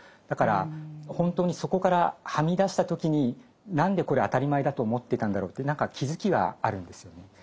だから本当にそこからはみ出した時に何でこれ当たり前だと思ってたんだろうって何か気付きがあるんですよね。